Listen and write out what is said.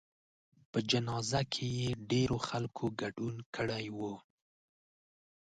په جنازه کې یې ډېرو خلکو ګډون کړی و.